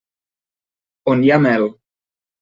On hi ha mel.